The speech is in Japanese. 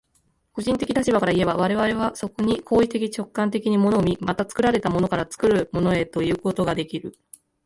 個人的立場からいえば、我々はそこに行為的直観的に物を見、また作られたものから作るものへということができる。